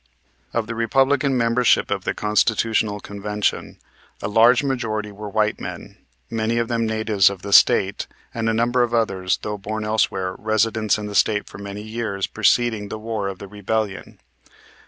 Of the Republican membership of the Constitutional Convention a large majority were white men, many of them natives of the State and a number of others, though born elsewhere, residents in the State for many years preceding the war of the Rebellion.